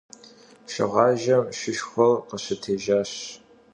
Şşığajjem şşışşxuer khışıtêjjaş.